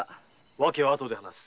訳は後で話す。